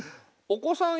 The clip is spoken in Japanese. お子さん